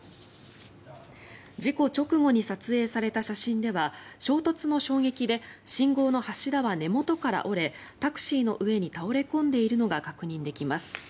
事故直後に撮影された写真では衝突の衝撃で信号の柱は根元から折れタクシーの上に倒れ込んでいるのが確認できます。